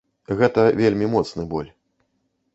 Гэта вельмі моцны боль.